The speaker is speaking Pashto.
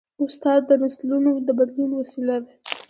استاد د نسلونو د بدلون وسیله ده.